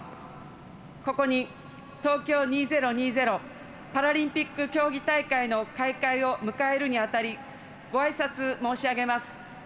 ここに、東京２０２０パラリンピック競技大会の開会を迎えるにあたりごあいさつ申し上げます。